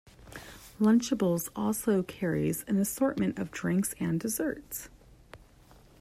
Lunchables also carries an assortment of drinks and desserts.